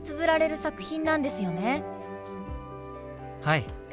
はい。